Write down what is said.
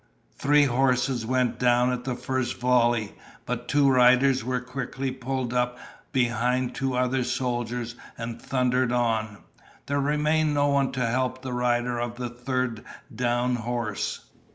Three horses went down at the first volley, but two riders were quickly pulled up behind two other soldiers and thundered on. There remained no one to help the rider of the third downed horse.